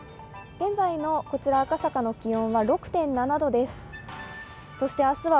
現在のこちら、赤坂の気温は６．７度です。